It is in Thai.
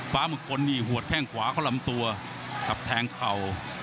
ฟ้ามงคลนี่หัวแข้งขวาเข้าลำตัวกับแทงเข่า